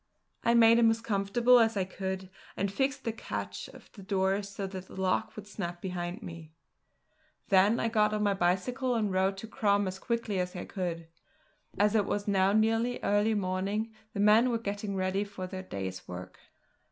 I made him as comfortable as I could, and fixed the catch of the door so that the lock would snap behind me. Then I got on my bicycle and rode to Crom as quickly as I could. As it was now nearly early morning the men were getting ready for their day's work.